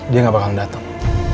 dia gak bakalan dateng